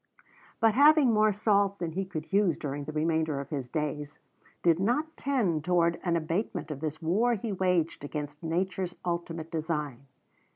But having more salt than he could use during the remainder of his days, did not tend toward an abatement of this war he waged against nature's ultimate design.